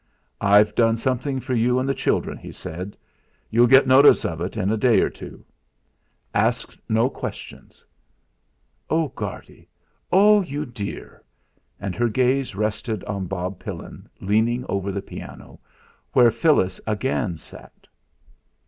"I've done something for you and the children," he said. "You'll get notice of it in a day or two; ask no questions." "Oh! Guardy! Oh! you dear!" And her gaze rested on Bob Pillin, leaning over the piano, where Phyllis again sat.